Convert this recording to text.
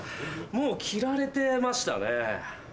もう着られてましたね。